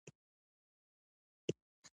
د پسرلي په راتګ سره د ژمي وسایل ټول کیږي